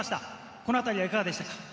この辺り、いかがでしたか？